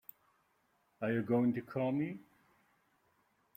Are you going to call me?